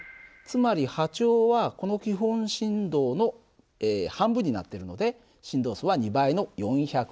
つまり波長はこの基本振動の半分になっているので振動数は２倍の４００Ｈｚ。